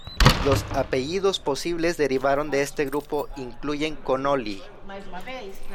Los apellidos posibles derivaron de este grupo incluyen Connolly.